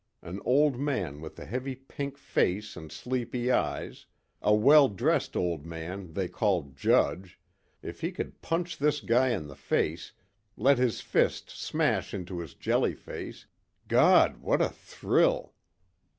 An old man with a heavy pink face and sleepy eyes, a well dressed old man they called Judge if he could punch this guy in the face, let his fist smash into his jellyface, God! what a thrill!